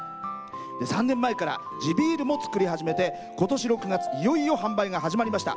３年前から地ビールも造り始めてことし６月いよいよ販売が始まりました。